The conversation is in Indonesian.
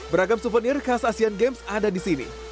beragam suvenir khas asian games ada di sini